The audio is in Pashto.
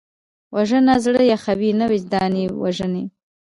وژنه زړه یخوي نه، وجدان وژني